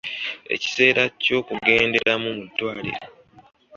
Ekiseera eky’okugenderamu mu ddwaliro.